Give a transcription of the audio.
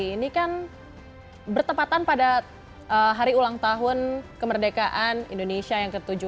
ini kan bertempatan pada hari ulang tahun kemerdekaan indonesia yang ke tujuh puluh lima